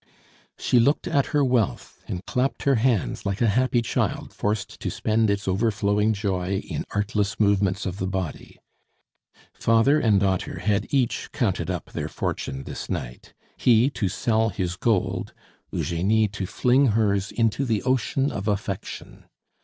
She looked at her wealth and clapped her hands like a happy child forced to spend its overflowing joy in artless movements of the body. Father and daughter had each counted up their fortune this night, he, to sell his gold; Eugenie to fling hers into the ocean of affection.